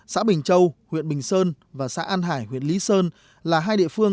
xã bình châu huyện bình sơn và xã an hải huyện lý sơn là hai địa phương